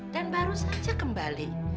dan baru saja kembali